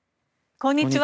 こんにちは。